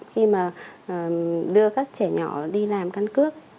khi mà đưa các trẻ nhỏ đi làm căn cước